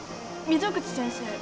溝口先生